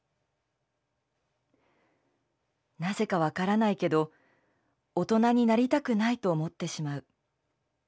なぜか分からないけど大人になりたくないと思ってしまう。